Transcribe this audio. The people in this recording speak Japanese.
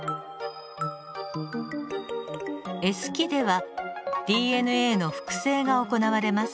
Ｓ期ではＤＮＡの複製が行われます。